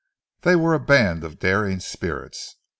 They were a band of daring spirits.